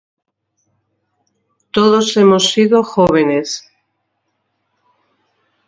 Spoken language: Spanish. Todos hemos sido jóvenes.